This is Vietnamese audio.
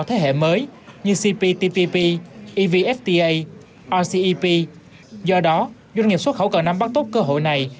thế hệ mới như cptpp evfta ocep do đó doanh nghiệp xuất khẩu cần nắm bắt tốt cơ hội này